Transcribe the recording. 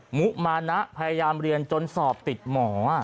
มุมานะพยายามเรียนจนสอบติดหมอ